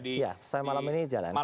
iya saya malam ini jalan